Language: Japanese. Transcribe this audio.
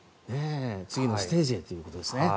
次のステージへということですね。